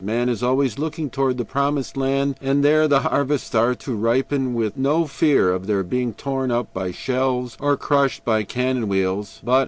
Man is always looking toward the Promised Land, and there the harvests are to ripen with no fear of their being torn up by shells or crushed by cannon wheels... But!